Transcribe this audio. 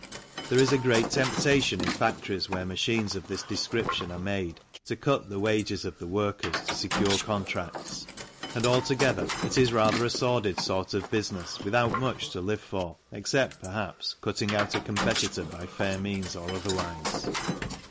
IN THE FACTORY 93 There is a great temptation in factories where machines of this description are made to cut the wages of the workers to secure contracts, and altogether it is rather a sordid sort of business without much to live for except, perhaps, cutting out a competitor by fair means or otherwise.